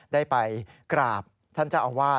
ได้ไปกราบท่านเจ้าอาวาส